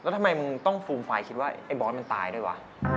แล้วทำไมมึงต้องฟูมฟายคิดว่าไอ้บอสมันตายด้วยวะ